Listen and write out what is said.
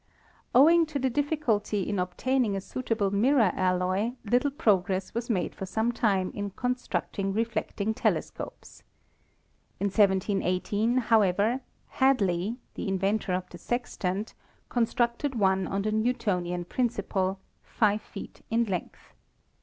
Owing to the difficulty in obtaining a suitable mirror alloy, little progress was made for some time in construct ing reflecting telescopes. In 1718, however, Hadley, the inventor of the sextant, constructed one on the Newtonian principle, 5 feet in length.